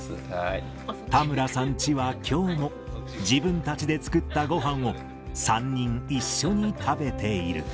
田村さんチはきょうも、自分たちで作ったごはんを、３人一緒に食べている。